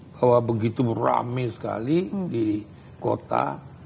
bahwa begitu rame sekali di kota